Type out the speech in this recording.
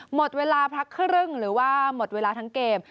หมดเวลาพักครึ่งหรือว่าหมดเวลาทั้งเกม